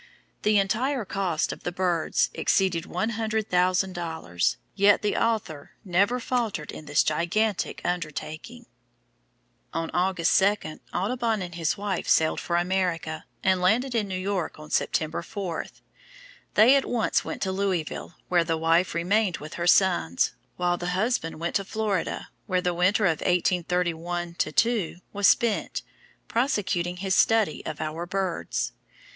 The entire cost of the "Birds" exceeded one hundred thousand dollars, yet the author never faltered in this gigantic undertaking. On August 2, Audubon and his wife sailed for America, and landed in New York on September 4. They at once went to Louisville where the wife remained with her sons, while the husband went to Florida where the winter of 1831 2 was spent, prosecuting his studies of our birds.